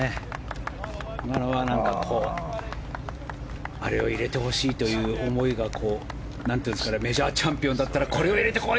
今のはあれを入れてほしいという思いがなんというかメジャーチャンピオンだったらこれを入れてこい！